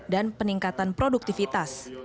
dan peningkatan produktivitas